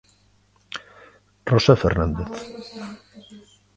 Rosa Fernández.